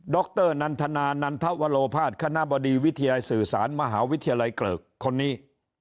รนันทนานันทวโลภาษคณะบดีวิทยาลัยสื่อสารมหาวิทยาลัยเกริกคนนี้